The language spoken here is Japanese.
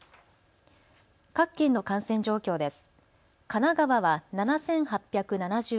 各県の感染状況です。